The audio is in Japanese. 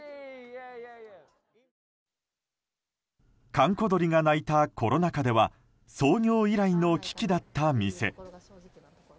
閑古鳥が鳴いたコロナ禍では創業以来の危機だった店。